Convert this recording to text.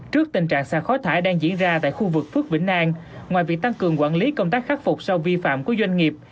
trước tình trạng xa khói thải đang diễn ra tại khu vực phước vĩnh an ngoài việc tăng cường quản lý công tác khắc phục sau vi phạm của doanh nghiệp